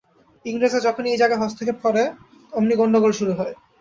ইংরেজরা যখনই ঐ জায়গায় হস্তক্ষেপ করে, অমনি গণ্ডগোল শুরু হয়।